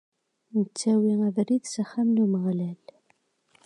Nettawi abrid s axxam n Umeɣlal.